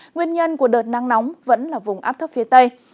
nguyên nhân của đợt nắng nóng vẫn là vùng áp thấp phía tây